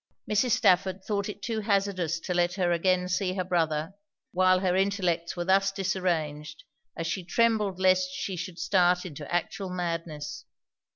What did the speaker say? Mrs. Stafford thought it too hazardous to let her again see her brother, while her intellects were thus disarranged; as she trembled lest she should start into actual madness.